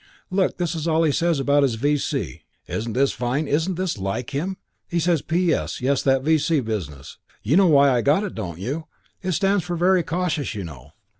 Look, this is all he says about his V.C. Isn't this fine and isn't it like him? He says, 'P.S. Yes, that V.C. business. You know why I got it, don't you? It stands for Very Cautious, you know.'"